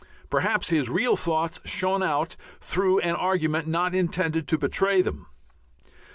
Perhaps his real thoughts shone out through an argument not intended to betray them.